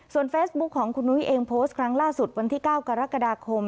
เฟซบุ๊คของคุณนุ้ยเองโพสต์ครั้งล่าสุดวันที่๙กรกฎาคม